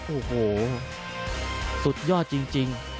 โอ้โหสุดยอดจริง